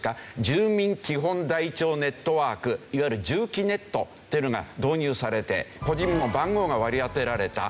住民基本台帳ネットワークいわゆる住基ネットっていうのが導入されて個人も番号が割り当てられた。